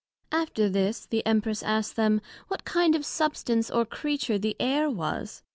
After this, The Empress asked them, What kind of substance or creature the Air was?